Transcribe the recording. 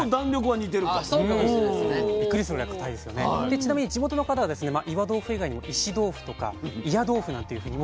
ちなみに地元の方は岩豆腐以外にも石豆腐とか祖谷豆腐なんていうふうにも。